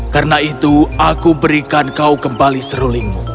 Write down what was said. karena itu aku berikan kau kembali serulingmu